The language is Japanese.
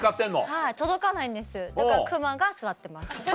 はい届かないんですだからクマが座ってます。